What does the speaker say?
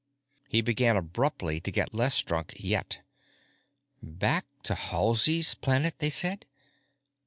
He began abruptly to get less drunk yet. Back to Halsey's Planet, they said?